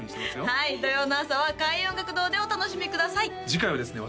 はい土曜の朝は開運音楽堂でお楽しみください次回はですね